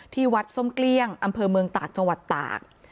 ที่วัดส้มเกลี้ยงอำเภอเมืองตากจังหวัดตาก